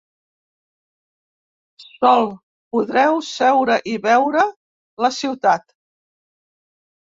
Sol— Podreu seure i veure la ciutat.